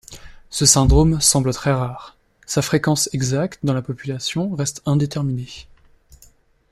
Ce syndrome semble très rare, sa fréquence exacte dans la population reste indéterminée.